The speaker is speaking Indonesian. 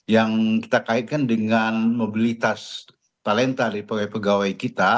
yang kita kaitkan dengan mobilitas talenta dari pegawai pegawai kita